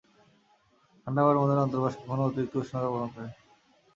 ঠান্ডা আবহাওয়ার মধ্যে, অন্তর্বাস কখনো কখনো অতিরিক্ত উষ্ণতা প্রদান করে।